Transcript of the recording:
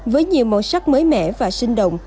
với nhiều màu sắc mới mẻ và sinh động